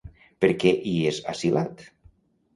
Per què hi és asilat?